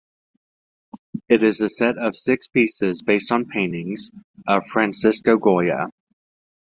It is a set of six pieces based on paintings of Francisco Goya.